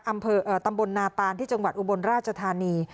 อำเภอตำบลนาตานที่จังหวัดอุบลราชธานี